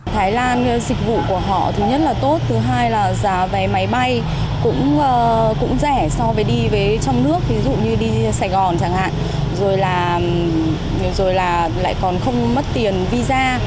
thái lan dịch vụ của họ thứ nhất là tốt thứ hai là giá vé máy bay cũng rẻ so với đi về trong nước ví dụ như đi sài gòn chẳng hạn rồi là rồi là lại còn không mất tiền visa